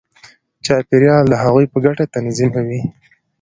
چاپېریال د هغوی په ګټه تنظیموي.